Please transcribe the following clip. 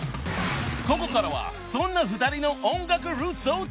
［ここからはそんな２人の音楽ルーツをチェック］